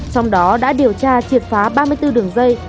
trong đó đã điều tra triệt phá ba mươi bốn đường dây